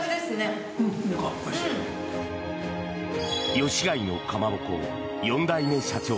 吉開のかまぼこ４代目社長